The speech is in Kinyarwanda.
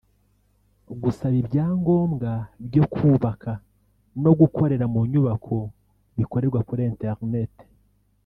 Gusaba ibyangombwa byo kubaka no gukorera mu nyubako bikorerwa kuri internet